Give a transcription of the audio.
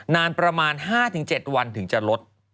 นานประมาณ๕๗วันถึงจะลด